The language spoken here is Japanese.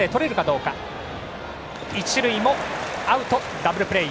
ダブルプレー。